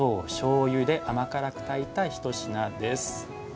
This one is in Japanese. みりん、砂糖、しょうゆで甘辛く炊いたひと品です。